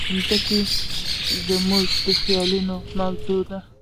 مځکه زموږ د خیالونو موضوع ده.